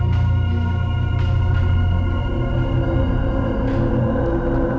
yang pernah bertemu denganmu kemarin malam